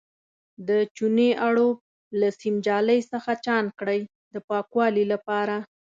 د چونې اړوب له سیم جالۍ څخه چاڼ کړئ د پاکوالي لپاره.